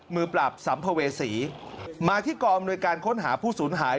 มือปราบสัมภเวษีมาที่กองอำนวยการค้นหาผู้สูญหาย